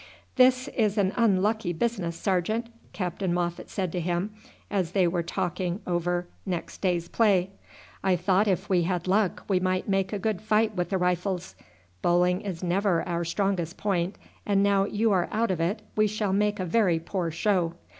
"This is an unlucky business, sergeant," Captain Moffat said to him as they were talking over next day's play. "I thought if we had luck we might make a good fight with the Rifles. Bowling is never our strongest point, and now you are out of it we shall make a very poor show.